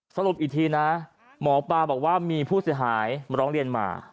สรุปอีกทีนะหมอปลาบอกว่ามีผู้เสียหายมาร้องเรียนมา